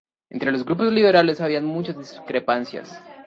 Entre los grupos liberales había muchas discrepancias.